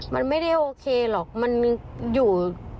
มันไม่ได้โอเคหรอกมันอยู่